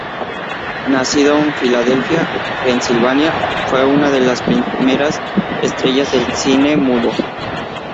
Nacido en Filadelfia, Pensilvania, fue una de las primeras estrellas del cine mudo.